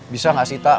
bisa gak sih tak